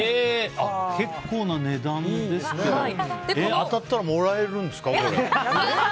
結構な値段ですけど当たったらもらえるんですか？